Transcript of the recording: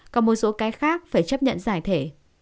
còn một số cái khác phải chấp nhận giải thể